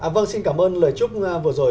vâng xin cảm ơn lời chúc vừa rồi